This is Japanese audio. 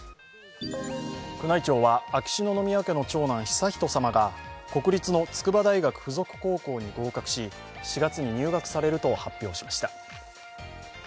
宮内庁は秋篠宮家の長男悠仁さまが国立の筑波大学附属高校に合格し、４月に入学されると発表しました。